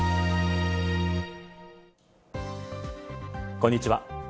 こんにちは。